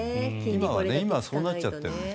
今はそうなっちゃってるんです。